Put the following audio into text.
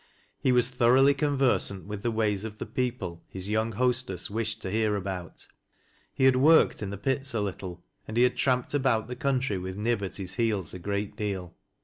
He was thoroughly conversant with the ways of the people his young hostess wished to hear about. He had worked in the pits a little, and he had tramped about the country with Wih at his heels a great deal.